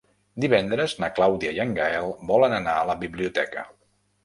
Divendres na Clàudia i en Gaël volen anar a la biblioteca.